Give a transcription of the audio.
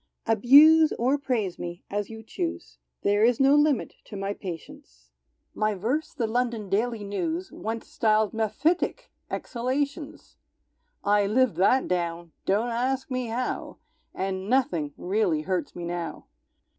Abuse or praise me, as you choose, There is no limit to my patience; My verse the London Daily News Once styled "Mephitic exhalations"! I lived that down, (don't ask me how,) And nothing really hurts me now.